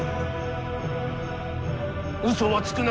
うそはつくな。